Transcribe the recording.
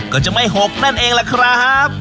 ก็จะไม่หกนั่นเองล่ะครับ